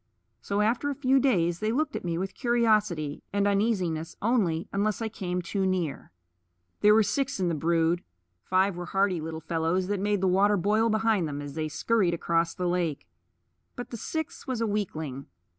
So after a few days they looked at me with curiosity and uneasiness only, unless I came too near. There were six in the brood. Five were hardy little fellows that made the water boil behind them as they scurried across the lake. But the sixth was a weakling.